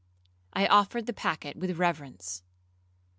I offered the packet with reverence.